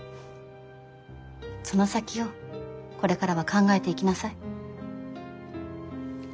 その先をこれからは考えていきなさい。